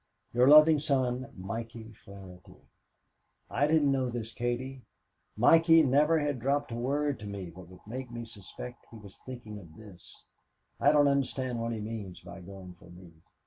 "Your loving son, "MIKEY FLAHERTY." "I didn't know this, Katie. Mikey never had dropped a word to me that would make me suspect he was thinking of this. I don't understand what he means by going for me."